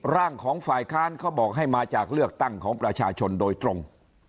ร่างของฝ่ายค้านเขาบอกให้มาจากเลือกตั้งของประชาชนโดยตรง